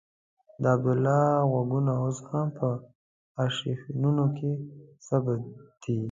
د عبدالله غږونه اوس هم په آرشیفونو کې ثبت دي.